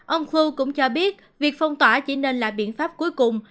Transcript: ông ful cũng cho biết việc phong tỏa chỉ nên là biện pháp cuối cùng